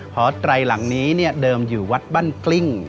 หอไตรหลังนี้เดิมอยู่วัดบ้านกลิ้ง